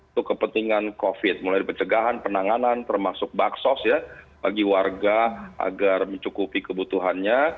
untuk kepentingan covid mulai dari pencegahan penanganan termasuk baksos ya bagi warga agar mencukupi kebutuhannya